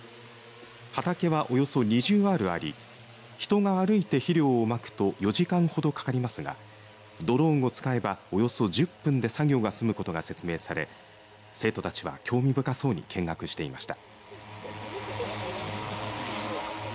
畑はおよそ２０アールあり人が歩いて肥料をまくと４時間ほどかかりますがドローンを使えばおよそ１０分で作業が済むことが説明され生徒たちは興味深そうに見学していました。